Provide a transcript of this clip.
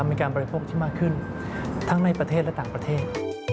มีการบริโภคที่มากขึ้นทั้งในประเทศและต่างประเทศ